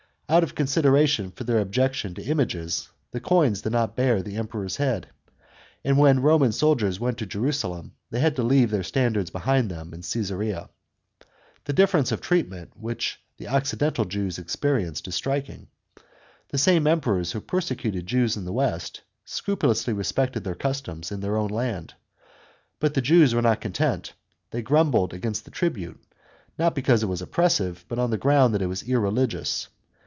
Out of consideration for their objection to images, the coins did not bear the Emperor's head ; and when Eoman soldiers went to Jerusalem, they had to leave their standards behind them in Caesarea. The difference of treatment which the occidental Jews experienced is striking. The same Emperors who persecuted Jews in the west, scrupulously respected their customs in their own land. But the Jews were not content; they grumbled against the tribute, not because it was oppressive, but on the ground that it was irreligious.